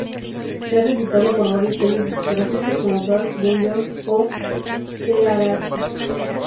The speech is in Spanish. Se ha reeditado por varios sellos discográficos, como Dark Dungeon o Earache.